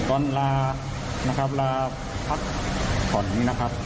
ตอนลาลาพักผ่อนนี้นะครับ